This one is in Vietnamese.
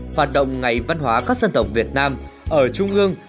hoạt động ngày văn hóa các dân tộc việt nam ở trung ương